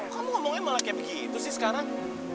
kamu ngomongnya malah kayak begitu sih sekarang